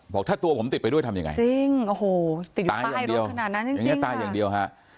บอกถ้าตัวผมติดไปด้วยทำอย่างไรเจ๊งโอ้โหติดอยู่ใต้รถขนาดนั้นจริงค่ะตายอย่างเดียว